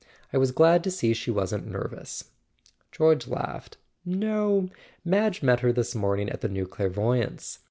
I was glad to see she wasn't nervous." George laughed. "No. Madge met her this morning at the new clairvoyantss